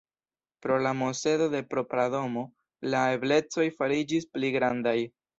Pro la posedo de propra domo, la eblecoj fariĝis pli grandaj.